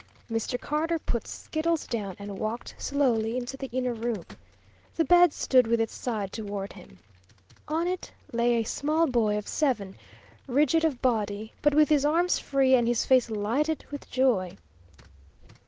Mr. Carter put Skiddles down and walked slowly into the inner room. The bed stood with its side toward him. On it lay a small boy of seven, rigid of body, but with his arms free and his face lighted with joy.